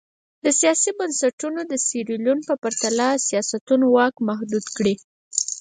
سیاسي بنسټونه د سیریلیون په پرتله د سیاسیونو واک محدود کړي.